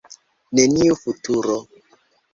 Neniu futuro.